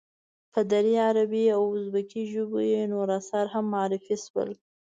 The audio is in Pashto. په دري، عربي او ازبکي ژبو یې نور آثار هم معرفی شول.